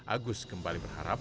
agus kembali berharap